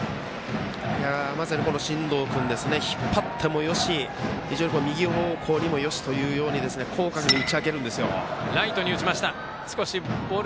まさに進藤君引っ張ってもよし非常に右方向にもよしというように広角に打ち分けるんですよ。